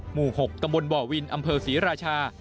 หมู่๖ตำบลบ่อวินอำเภอศรีราชา